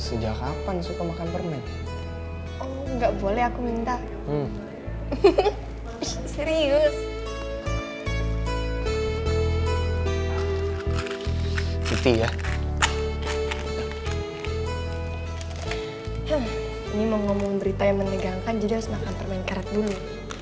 ini mau ngomong berita yang menegangkan jadi harus makan permen karet dulu